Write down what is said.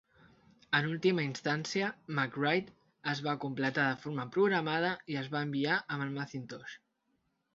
En última instància, MacWrite es va completar de forma programada i es va enviar amb el Macintosh.